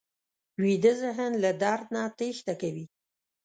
ویده ذهن له درد نه تېښته کوي